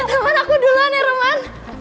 eh roman aku duluan ya roman